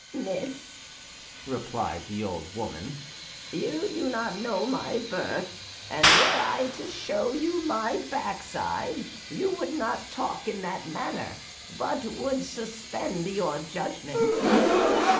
"Miss," replied the old woman, "you do not know my birth; and were I to show you my backside, you would not talk in that manner, but would suspend your judgment."